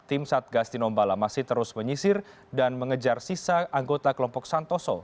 tim satgas tinombala masih terus menyisir dan mengejar sisa anggota kelompok santoso